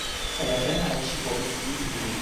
Kaj apenaŭ ŝi povis vidi ilin.